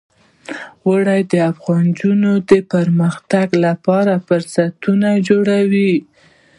اوړي د افغان نجونو د پرمختګ لپاره فرصتونه برابروي.